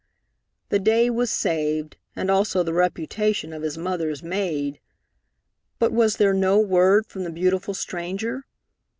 The day was saved, and also the reputation of his mother's maid. But was there no word from the beautiful stranger?